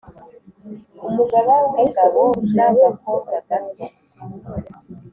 Umugaba w ingabo n agakobwa gato